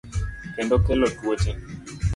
kendo kelo tuoche.